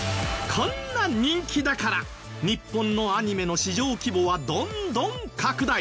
こんな人気だから日本のアニメの市場規模はどんどん拡大！